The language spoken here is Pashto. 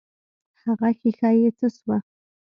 هغه ښيښه يې څه سوه.